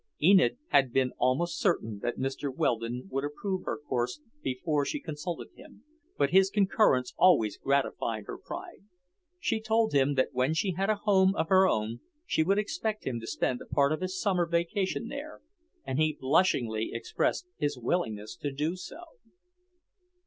Enid had been almost certain that Mr. Weldon would approve her course before she consulted him, but his concurrence always gratified her pride. She told him that when she had a home of her own she would expect him to spend a part of his summer vacation there, and he blushingly expressed his willingness to do so.